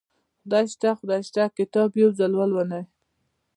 خدای شته خدای شته کتاب یو ځل ولولئ